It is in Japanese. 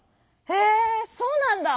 へえそうなんだ！